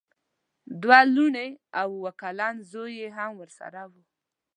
دوه لوڼې او اوه کلن زوی یې هم ورسره وو.